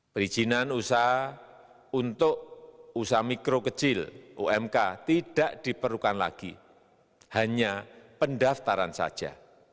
perizinan usaha untuk usaha mikro kecil umk tidak diperlukan lagi hanya pendaftaran saja